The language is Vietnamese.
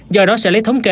do đó sẽ lấy thống kê